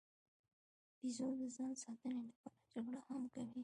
بیزو د ځان ساتنې لپاره جګړه هم کوي.